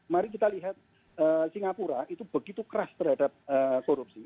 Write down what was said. mari kita lihat singapura itu begitu keras terhadap korupsi